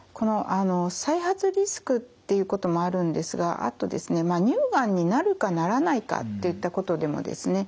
再発リスクっていうこともあるんですが乳がんになるかならないかといったことでもですね